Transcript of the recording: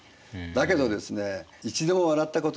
だけどですね